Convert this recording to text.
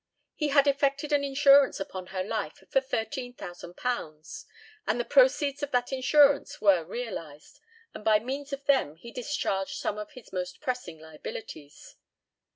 He had effected an insurance upon her life for £13,000, and the proceeds of that insurance were realised, and by means of them he discharged some of his most pressing liabilities.